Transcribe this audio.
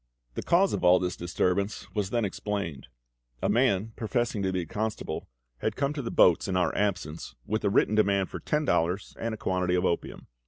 The cause of all this disturbance was then explained. A man professing to be the constable had come to the boats in our absence, with a written demand for ten dollars and a quantity of opium.